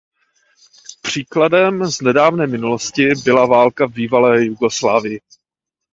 Příkladem z nedávné minulosti byla válka v bývalé Jugoslávii.